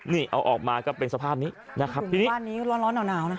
นี่เอาออกมาก็เป็นสภาพนี้นะครับทีนี้บ้านนี้ร้อนร้อนหนาวนะ